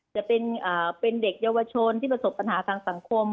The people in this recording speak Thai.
จะเป็นเด็กเยาวชนที่ประสบปัญหาทางสังคม